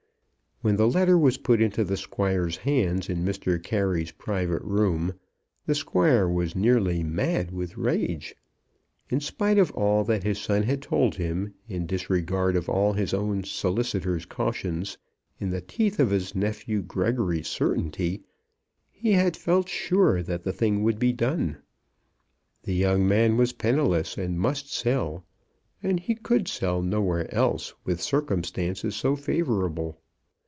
When the letter was put into the Squire's hands in Mr. Carey's private room, the Squire was nearly mad with rage. In spite of all that his son had told him, in disregard of all his own solicitor's cautions, in the teeth of his nephew Gregory's certainty, he had felt sure that the thing would be done. The young man was penniless, and must sell; and he could sell nowhere else with circumstances so favourable.